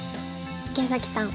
池崎さん。